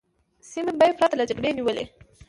سیمې به یې پرته له جګړې نیولې.